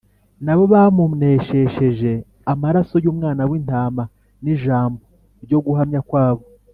Na bo bamuneshesheje amaraso y’Umwana w’Intama n’ijambo ryo guhamya kwabo,